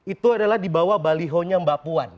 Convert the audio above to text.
itu adalah di bawah baliho nya mbak puan